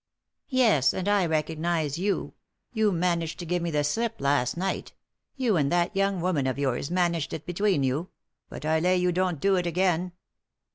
" Yes ; and I recognise you. You managed to give me the slip last night ; you and that young woman of yours managed it between you. But I lay you don't do it again."